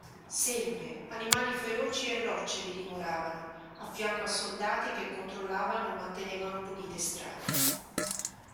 Selve, animali feroci e rocce vi dimoravano, affianco a soldati che controllavano e mantenevano pulite strade.